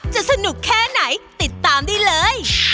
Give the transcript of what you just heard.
สนุกแค่ไหนติดตามได้เลย